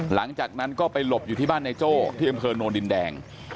หลังจากนั้นก็ไปหลบอยู่ที่บ้านนายโจ้ที่อำเภอโนนดินแดง